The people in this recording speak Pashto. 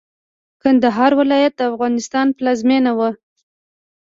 کندهار ولايت د افغانستان پلازمېنه وه.